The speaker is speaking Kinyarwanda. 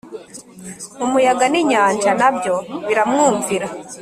Umuyaga n inyanja na byo biramwumvira